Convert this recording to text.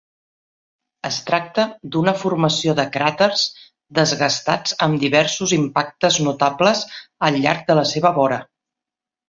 Es tracta d'una formació de cràters desgastats amb diversos impactes notables al llarg de la seva vora.